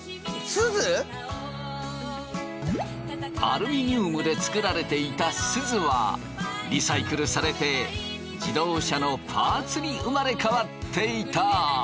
アルミニウムで作られていたすずはリサイクルされて自動車のパーツに生まれ変わっていた！